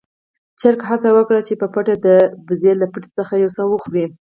چرګ هڅه وکړه چې په پټه د وزې له پټي څخه يو څه وخوري.